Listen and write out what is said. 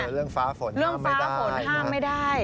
เรื่องฟ้าฝนห้ามไม่ได้